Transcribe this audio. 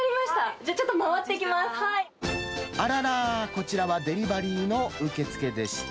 じゃあちょっあらら、こちらはデリバリーの受付でした。